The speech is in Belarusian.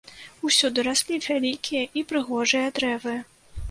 Усюды раслі вялікія і прыгожыя дрэвы.